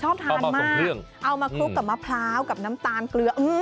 ชอบทานมากเอามาคลุกกับมะพร้าวกับน้ำตาลเกลือ